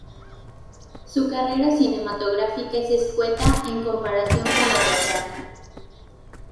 Su carrera cinematográfica es escueta en comparación con la teatral.